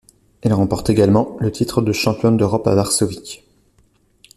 Elle remporte également le titre de Championne d'Europe à Varsovie.